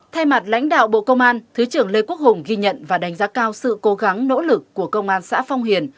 thay mặt lãnh đạo bộ công an thứ trưởng lê quốc hùng ghi nhận và đánh giá cao sự cố gắng nỗ lực của công an xã phong hiền